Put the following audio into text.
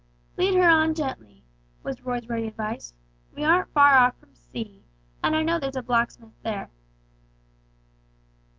"Lead her on gently," was Roy's ready advice. "We aren't far off from C , and I know there's a blacksmith there."